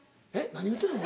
何言うてんの？